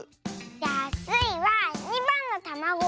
じゃあスイは２ばんのたまご。